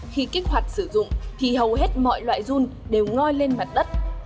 khi kích hoạt sử dụng thì hầu hết mọi loại dung đều ngoi lên mặt đất